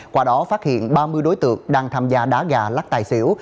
qua đó phát hiện ba mươi đối tượng đang tham gia đá gà lắc tài xỉu